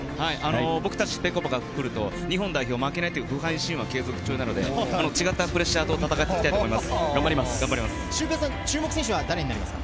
僕たちぺこぱが来ると日本代表、負けないという不敗神話が継続中なので、違ったプレッシャーと戦っていきたいと思います。